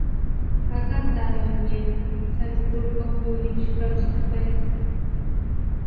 Ha cantado en Viena, Salzburgo, Munich, Londres y Paris.